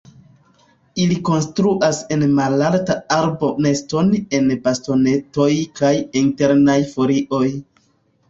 Ili konstruas en malalta arbo neston el bastonetoj kaj internaj folioj.